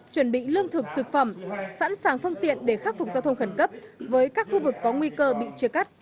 chuẩn bị lương thực thực phẩm sẵn sàng phương tiện để khắc phục giao thông khẩn cấp với các khu vực có nguy cơ bị chia cắt